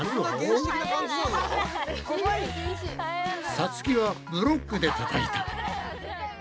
さつきはブロックでたたいた。